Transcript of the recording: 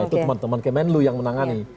atau teman teman kemenlu yang menangani